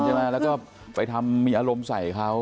ใช่ไหมแล้วก็ไปทำมีอารมณ์ใส่เขา